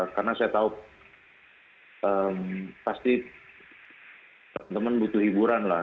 karena saya tahu pasti teman teman butuh hiburan lah